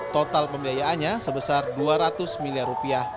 total pembiayaannya sebesar rp dua ratus miliar